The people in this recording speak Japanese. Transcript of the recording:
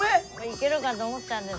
いけるかと思ったんです。